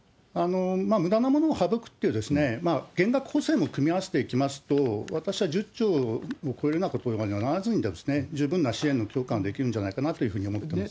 むだなものを省くっていう減額構成も組み合わせていきますと、私は１０兆を超えるようなことはならずに、十分な支援ができるんじゃないかと思っています。